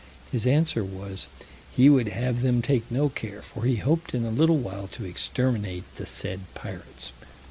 His answer was, "he would have them take no care, for he hoped in a little while to exterminate the said pirates."